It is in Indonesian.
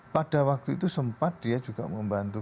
pada waktu itu sempat dia juga membantu